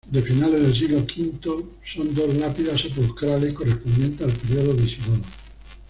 De finales del siglo V son dos lápidas sepulcrales, correspondientes al periodo visigodo.